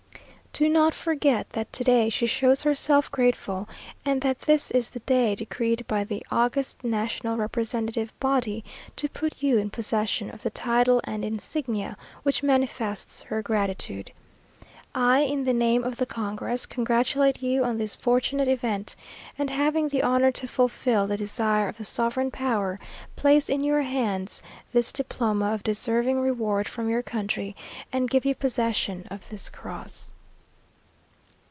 "Do not forget that to day she shows herself grateful, and that this is the day decreed by the august national representative body, to put you in possession of the title and insignia which manifests her gratitude. I, in the name of the congress, congratulate you on this fortunate event, and having the honour to fulfil the desire of the sovereign power, place in your hands this diploma of deserving reward from your country, and give you possession of this cross."